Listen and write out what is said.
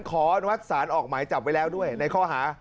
ขอวัดสารออกหมายจับไว้แล้วด้วยในข้อหา